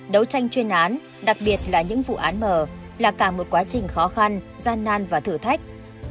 đấu tranh chuyên án đặc biệt là những vụ án mở là cả một quá trình khó khăn gian nan và thử thách